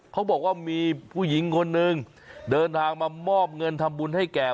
เขาบอกว่ามีผู้หญิงคนนึงเดินทางมามอบเงินทำบุญให้แก่